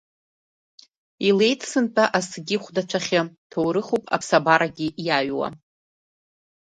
Илеит сынтәа асгьы хәдацәахьы, ҭоурыхуп аԥсабарагьы иаҩуа.